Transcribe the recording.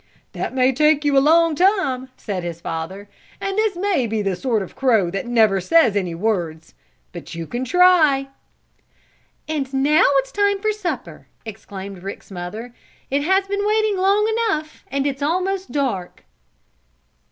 "That may take you a long time," said his father, "and this may be the sort of crow that never says any words. But you can try." "And now it's time for supper," exclaimed Rick's mother. "It has been waiting long enough, and it's almost dark."